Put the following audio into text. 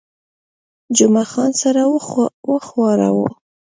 جمعه خان سر وښوراوه.